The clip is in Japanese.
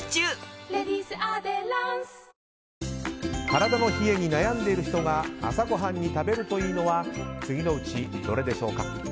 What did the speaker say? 体の冷えに悩んでいる人が朝ごはんに食べるといいのは次のうちどれでしょうか。